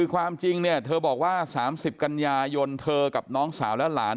ความจริงเนี่ยเธอบอกว่า๓๐กันยายนเธอกับน้องสาวและหลาน